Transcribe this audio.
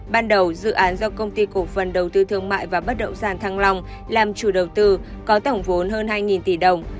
ban đầu dự án do công ty cổ phần đầu tư thương mại và bất động sản thăng long làm chủ đầu tư có tổng vốn hơn hai tỷ đồng